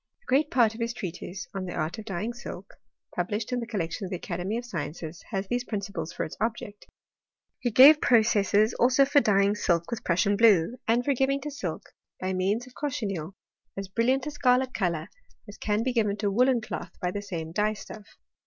A great part of his treatise on the art of dyeing silk, published in the collection of the Academy of Sciences, has these principles for its object. He gave processes also for dyeing silk with Prussian blue, and for giving to silk, by means of cochineal, as brilliant a scarlet colour as can be given to woollen cloth by the same dye stuff.